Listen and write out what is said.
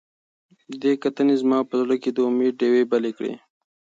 دې کتنې زما په زړه کې د امید ډیوې بلې کړې.